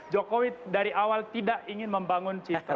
jokowi dari awal tidak ingin membangun citra